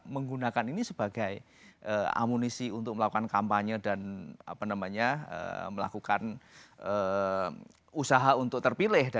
menggunakan ini sebagai amunisi untuk melakukan kampanye dan melakukan usaha untuk terpilih